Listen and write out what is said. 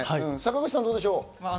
坂口さん、どうでしょう？